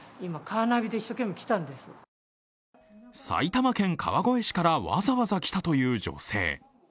埼玉県川越市からわざわざ来たという女性。